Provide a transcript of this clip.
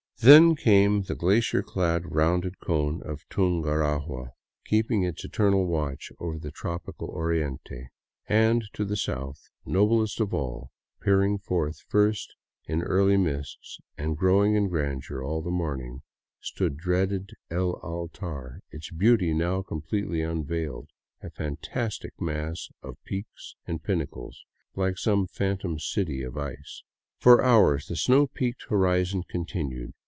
Then came the glacier clad, rounded cone of Tungarahua, keeping its 172 DOWN VOLCANO AVENUE eternal watch over the tropical Oriente, and to the south, noblest of all, peering forth first in the early mists, and growing in grandeur all the morning, stood dVeaded El Altar, its beauty now completely unveiled, a fantastic mass of peaks and pinnacles, like some phantom city of ice. For hours the snow peaked horizon continued.